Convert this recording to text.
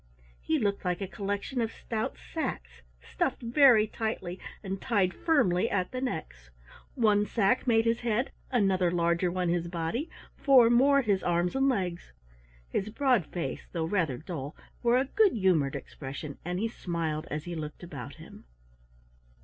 He looked like a collection of stout sacks stuffed very tightly and tied firmly at the necks. One sack made his head, another larger one his body, four more his arms and legs. His broad face, though rather dull, wore a good humored expression, and he smiled as he looked about him.